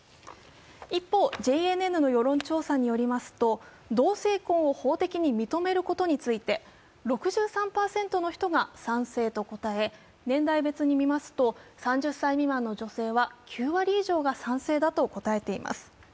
一方、ＪＮＮの世論調査によりますと同性愛を法的に認めることについて６３％の人が賛成と答え、年代別に見ますと３０歳未満の女性は９割以上が賛成だと答えています。